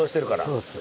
そうです。